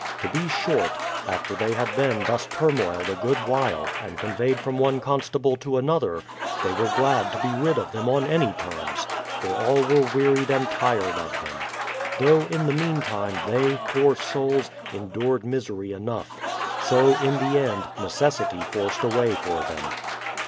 To be short, after they had been thus turmoiled a good while, and conveyed from one constable to another, they were glad to be rid of them on any teiTns ; for all were wearied and tired of them. Though in the meantime, they, poor souls, endured misery enough. So in the end, necessity forced a way for them.